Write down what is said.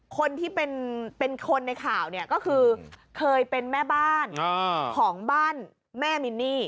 คนที่เป็นคนในข่าวเนี่ยก็คือเคยเป็นแม่บ้านของบ้านแม่มินนี่